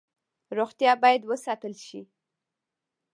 روغتیا باید وساتل شي